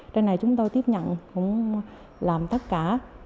trên này chúng tôi tiếp nhận cũng làm tất cả